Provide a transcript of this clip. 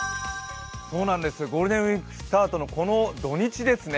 ゴールデンウイーク、スタートのこの土日ですね